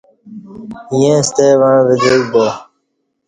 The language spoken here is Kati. ییں ستہ وعݩہ ودعیک با